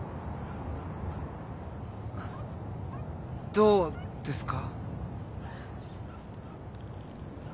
どうですか？